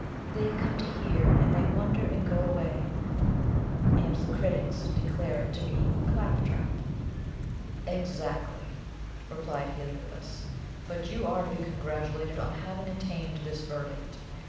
They come to hear, and they wonder and go away, and the critics declare it to be CLAP TRAP." "Exactly!" replied Heliobas. "But you are to be congratulated on having attained this verdict.